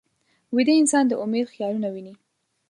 ویده انسان د امید خیالونه ویني